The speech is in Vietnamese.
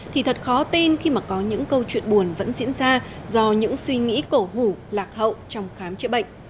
thì thật khó tin khi mà có những câu chuyện buồn vẫn diễn ra do những suy nghĩ cổ hủ lạc hậu trong khám chữa bệnh